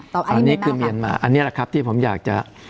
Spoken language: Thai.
อันนี้คือเมียนมาอันนี้แหละครับที่ผมอยากจะ